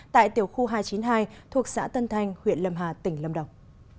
tại tiểu khu hai trăm chín mươi hai thuộc xã tân thanh huyện lâm hà tỉnh lâm đồng